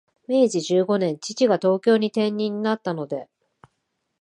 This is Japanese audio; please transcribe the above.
明治十五年、父が東京に転任になったので、